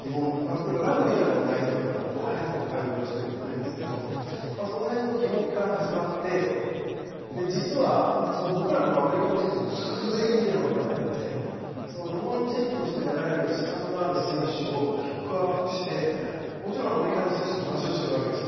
例えば、ラグビーなんかは結構、外国の人が多いですけどその辺の疑問から始まって実は、僕らもアメリカの選手を全員見てるわけではないので日本人として出られる資格のある選手をピックアップしてもちろんアメリカの選手と話をしているわけですよ。